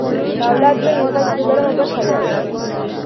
که اولاد نه وي، ښځه څلورمه برخه لري.